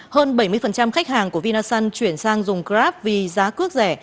hơn bảy mươi khách hàng của vinasun chuyển sang dùng grab vì giá cước rẻ